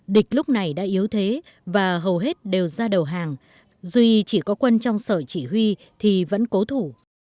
địch lúc này đã yếu thế và hầu hết đều ra đầu hàng duy chỉ có quân trong sở chỉ huy thì vẫn cố thủ